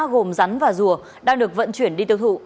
gồm rắn và rùa đang được vận chuyển đi tiêu thụ